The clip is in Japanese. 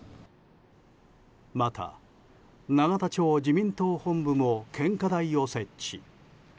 また、永田町自民党本部も献花台を設置。